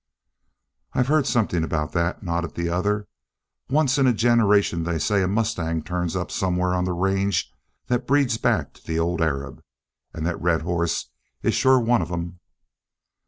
"I've heard something about that," nodded the other. "Once in a generation they say a mustang turns up somewhere on the range that breeds back to the old Arab. And that red hoss is sure one of 'em."